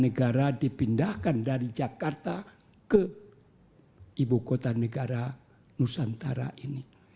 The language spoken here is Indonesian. negara dipindahkan dari jakarta ke ibu kota negara nusantara ini